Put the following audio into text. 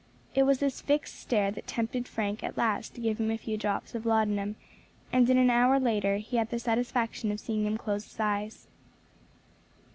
It was this fixed stare that tempted Frank at last to give him a few drops of laudanum, and in an hour later he had the satisfaction of seeing him close his eyes.